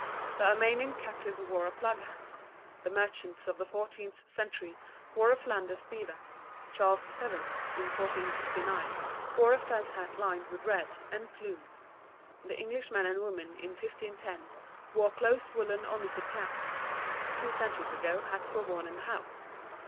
The Armenian captive wore a plug hat. The merchants of the fourteenth century wore a Flanders beaver. Charles VII., in 1469, wore a felt hat lined with red, and plumed. The English men and women in 1510 wore close woollen or knitted caps; two centuries ago hats were worn in the house.